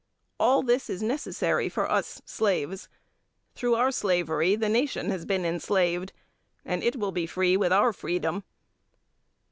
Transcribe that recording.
All this is necessary for us, slaves. Through our slavery the nation has been enslaved, and it will be free with our freedom.